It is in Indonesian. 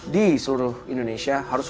di seluruh indonesia harus